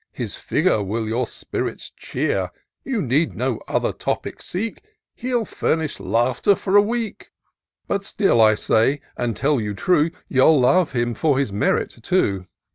His figure will your spirits cheer: You need no other topic seek; He'll fiimish laughter for a week : But still I say, and tell you true. You'll love him for his merit too.